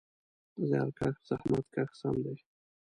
زیارکښ: زحمت کښ سم دی.